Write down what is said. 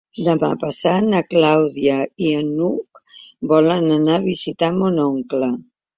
Demà passat na Clàudia i n'Hug volen anar a visitar mon oncle.